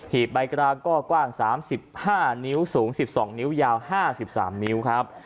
ีบใบกราก็กว้าง๓๕นิ้วสูง๑๒นิ้วยาว๕๓นิ้วครับ